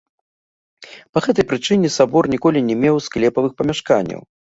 Па гэтай прычыне сабор ніколі не меў склепавых памяшканняў.